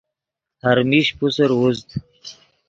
ہر میش پوسر اُوزد